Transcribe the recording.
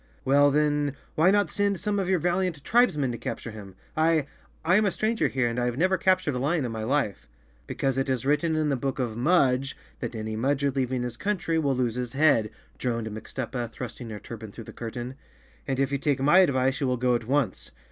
"Well then, why not send some of your valiant tribes¬ men to capture him? I, I am a stranger here and have never captured a lion in my life." " Because it is written in the book of Mudge that any Mudger leaving his country will lose his head," droned Mixtuppa, thrusting her turban through the curtain. "And if you take my advice you will go at once.